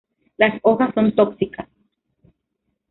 Las hojas son tóxicas.